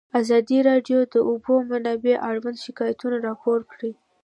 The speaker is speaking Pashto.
ازادي راډیو د د اوبو منابع اړوند شکایتونه راپور کړي.